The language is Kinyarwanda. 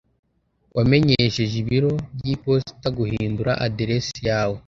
Wamenyesheje ibiro by'iposita guhindura aderesi yawe?